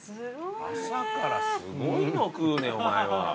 朝からすごいの食うねお前は。